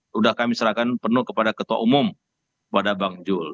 sudah kami serahkan penuh kepada ketua umum pada bang jul